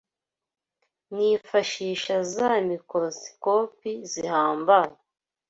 nifashisha za mikorosikopi zihambaye